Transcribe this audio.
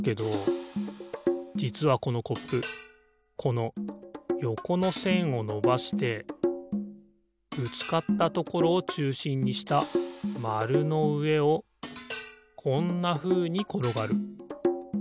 じつはこのコップこのよこのせんをのばしてぶつかったところをちゅうしんにしたまるのうえをこんなふうにころがる。